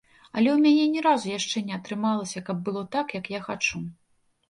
Але ў мяне ні разу яшчэ не атрымалася каб было так, як я хачу.